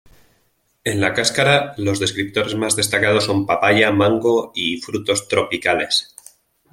En la cáscara los descriptores más destacados son papaya, mango y frutos tropicales.